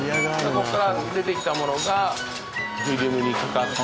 ここから出てきたものがフィルムにかかって。